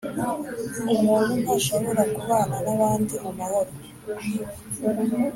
umuntu ntashobora kubana n’abandi mu mahoro,